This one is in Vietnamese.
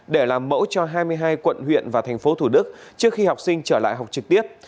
để làm mẫu cho hai mươi hai quận huyện và thành phố thủ đức trước khi học sinh trở lại học trực tiếp